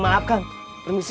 maaf kang permisi